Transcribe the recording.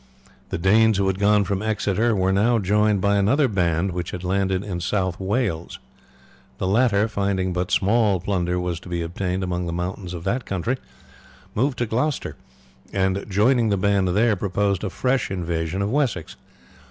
The Danes who had gone from Exeter were now joined by another band which had landed in South Wales. The latter, finding but small plunder was to be obtained among the mountains of that country, moved to Gloucester, and joining the band there proposed a fresh invasion of Wessex.